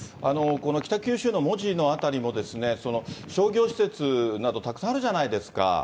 この北九州の門司の辺りも、商業施設など、たくさんあるじゃないですか。